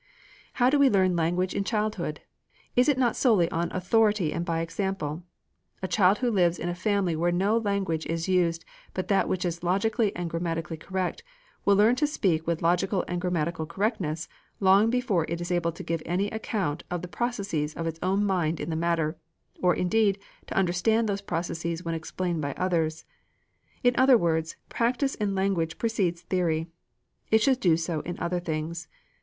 How do we learn language in childhood? Is it not solely on authority and by example? A child who lives in a family where no language is used but that which is logically and grammatically correct, will learn to speak with logical and grammatical correctness long before it is able to give any account of the processes of its own mind in the matter, or indeed to understand those processes when explained by others. In other words, practice in language precedes theory. It should do so in other things.